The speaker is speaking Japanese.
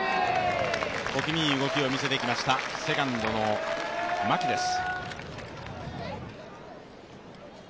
小気味いい動きを見せてきました、セカンドの牧です。